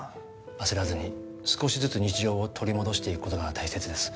焦らずに少しずつ日常を取り戻していくことが大切です